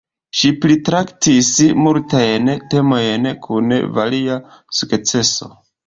Ŝi pritraktis multajn temojn, kun varia sukceso.